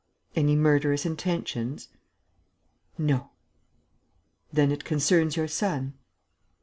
any murderous intentions?" "No." "Then it concerns your son?"